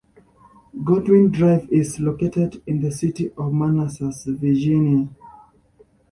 Godwin Drive is located in the city of Manassas, Virginia.